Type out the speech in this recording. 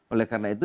oleh karena itu